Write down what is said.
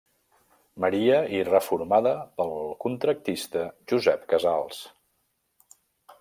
Maria i reformada pel contractista Josep Casals.